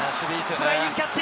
スライディングキャッチ。